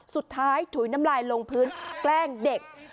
สุดท้ายถุยน้ำลายลงพื้นแกล้งเด็ก